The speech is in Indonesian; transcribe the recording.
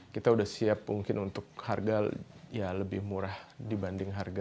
kita sudah siap mungkin untuk harga ya lebih murah dibanding harga